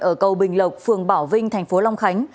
ở cầu bình lộc phường bảo vinh tp long khánh